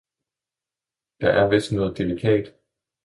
der er vist noget delikat!